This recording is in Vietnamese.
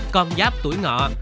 con giáp tuổi ngọ